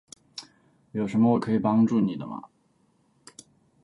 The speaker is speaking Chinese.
有什么我可以帮助你的吗？